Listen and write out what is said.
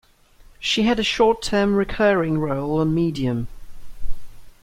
She had a short term recurring role on "Medium".